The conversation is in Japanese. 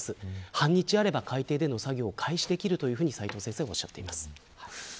半日あれば、海底での作業を開始できると斎藤先生はおっしゃっています。